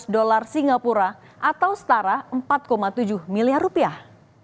empat ratus sebelas empat ratus empat belas dolar singapura atau setara empat tujuh miliar rupiah